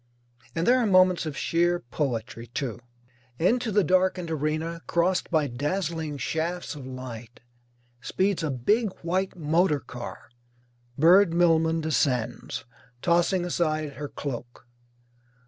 And there are moments of sheer poetry, too. Into the darkened arena, crossed by dazzling shafts of light, speeds a big white motor car. Bird Millman descends, tossing aside her cloak.